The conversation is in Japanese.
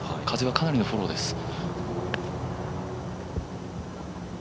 風はかなりのフォローです。